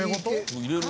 入れるね。